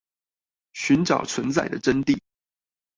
尋找存在的真諦